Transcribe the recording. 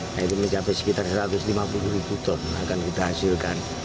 nah itu mencapai sekitar satu ratus lima puluh ribu ton akan kita hasilkan